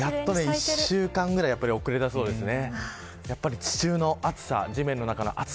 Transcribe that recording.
１週間ぐらい遅れたそうですね。